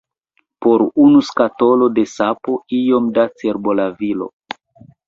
Por unu skatolo da sapo, iom da cerbolavilo.